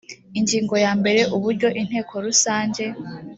ingingo ya mbere uburyo inteko rusange